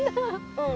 うん。